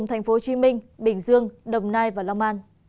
thành phố hồ chí minh bình dương đồng nai và long an